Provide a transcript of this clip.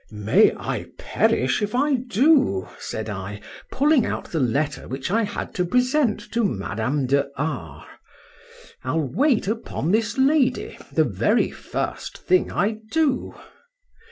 — —May I perish! if I do, said I, pulling out the letter which I had to present to Madame de R—.—I'll wait upon this lady, the very first thing I do.